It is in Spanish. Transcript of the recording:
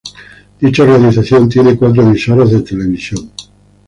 Dicha organización tiene cuatro emisoras de televisión.